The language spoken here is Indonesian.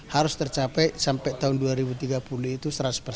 harus tercapai sampai tahun dua ribu tiga puluh itu seratus